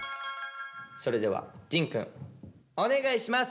それでは仁くんお願いします。